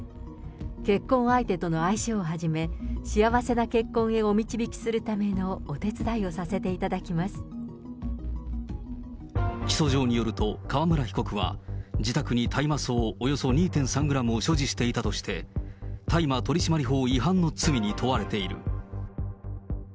結婚相手との相性をはじめ、幸せな結婚へお導きするためのお手伝起訴状によると、川村被告は、自宅に大麻草およそ２．３グラムを所持していたとして、大麻取締法違反の罪に問われている。